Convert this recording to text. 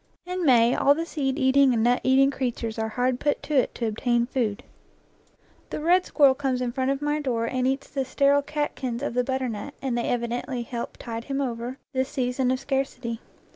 In May all the seed eating and nut eating creatures are hard put to it to obtain food. The red squirrel comes in front of my door and eats the sterile catkins of the butternut, and they evi dently help tide him over this season of scarcity.